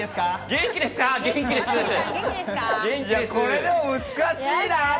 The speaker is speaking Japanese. これでも難しいな。